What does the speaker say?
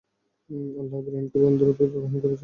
আল্লাহ ইবরাহীমকে বন্ধুরূপে গ্রহণ করেছেন।